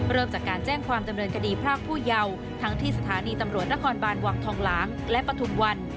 เริ่มจากการแจ้งความดำเนินคดีพรากผู้เยาว์ทั้งที่สถานีตำรวจนครบานวังทองหลางและปฐุมวัน